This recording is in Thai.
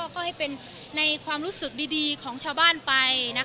ก็ให้เป็นในความรู้สึกดีของชาวบ้านไป